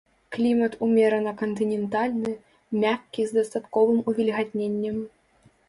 Клімат умерана-кантынентальны, мяккі з дастатковым увільгатненнем.